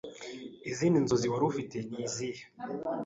Izindi nzozi wari ufite ni izihe